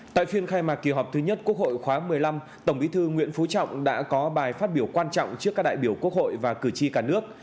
tại phiên khai mạc kỳ họp thứ nhất quốc hội khóa một mươi năm tổng bí thư nguyễn phú trọng đã có bài phát biểu quan trọng trước các đại biểu quốc hội và cử tri cả nước